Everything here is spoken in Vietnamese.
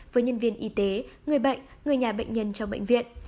với nhân viên y tế người bệnh người nhà bệnh nhân trong bệnh viện